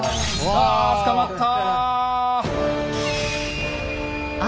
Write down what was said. あ捕まった！